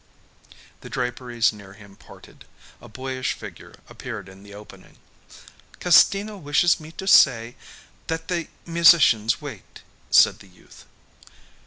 The draperies near him parted. A boyish figure appeared in the opening. "Castino wishes me to say that the musicians wait," said the youth.